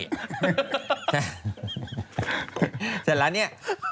เสร็จแล้วเนี่ย